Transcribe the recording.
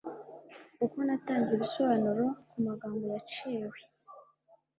kuko natanze ibisobanuro kumagambo yaciwe